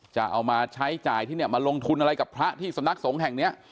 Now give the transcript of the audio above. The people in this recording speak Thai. จะเอามาใช้จ่ายที่เนี่ยมาลงทุนอะไรกับพระที่สำนักสงฆ์แห่งเนี้ย